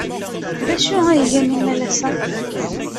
D acu ay gan imalas-a?